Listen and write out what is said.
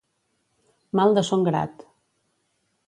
Mal de son grat.